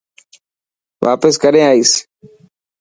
واپس ڪڏهن آئيس.